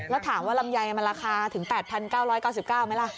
แล้วถามว่าลำไยมันราคาถึง๘๙๙๙ไหมล่ะ